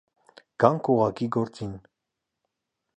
Գանք ուղղակի գործին: